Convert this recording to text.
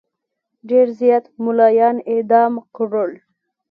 ډېر زیات مُلایان اعدام کړل.